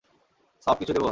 Soft কিছু দেব?